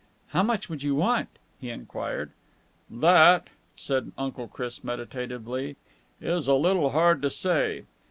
"How much would you want?" he enquired. "That," said Uncle Chris meditatively, "is a little hard to say.